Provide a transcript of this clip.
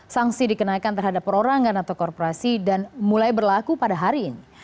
sanksi dikenakan terhadap perorangan atau korporasi dan mulai berlaku pada hari ini